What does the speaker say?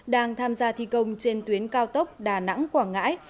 đang tham gia thi công trên tuyến cao tốc đà nẵng quảng ngãi